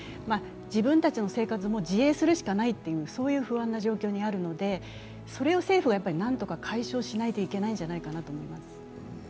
自分たちの生活も自衛するしかないという不安な状況にあるのでそれを政府がなんとか解消しないといけないんじゃないかなと思います。